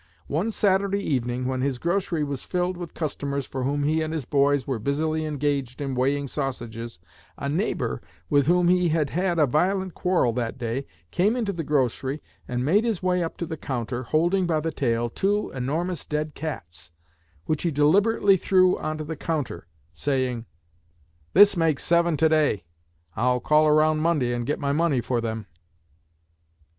One Saturday evening, when his grocery was filled with customers for whom he and his boys were busily engaged in weighing sausages, a neighbor with whom he had had a violent quarrel that day, came into the grocery and made his way up to the counter holding by the tail two enormous dead cats which he deliberately threw on to the counter, saying, 'This makes seven to day. I'll call around Monday and get my money for them.'"